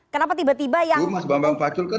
kenapa tiba tiba yang